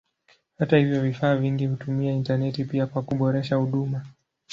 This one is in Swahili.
Hata hivyo vifaa vingi hutumia intaneti pia kwa kuboresha huduma.